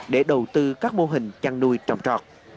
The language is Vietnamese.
để đầu tư các mô hình chăn nuôi trồng trọt